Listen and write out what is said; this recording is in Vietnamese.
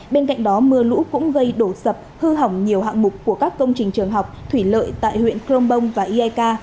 bên cạnh đó mưa lũ cũng gây đổ sập hư hỏng nhiều hạng mục của các công trình trường học thủy lợi tại huyện crong bông và iaka